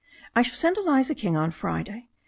I shall send Eliza King on Friday.